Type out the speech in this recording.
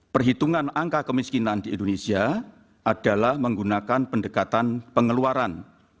perhitungan angka kemiskinan di indonesia adalah menggunakan pendekatan pengeluaran